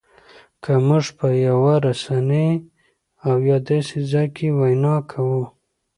که مونږ په یوه رسنۍ او یا داسې ځای کې وینا کوو